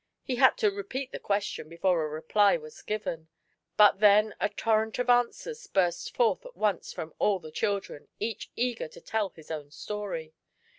He had to repeat the question before a reply was given ; but then a torrent of answers burst forth at once from all the children — each eager to tell his own story.